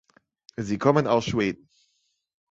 Sie kommen aus Schweden.